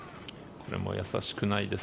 これも易しくないです。